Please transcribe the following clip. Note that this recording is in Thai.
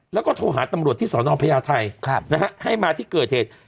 แล้วก็โทรหาตำรวจที่สนพญาไทยให้มาที่เกิดเหตุ